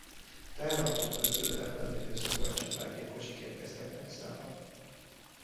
Teherautók közül ebben az időszakban Csepel gépkocsik érkeztek nagy számban.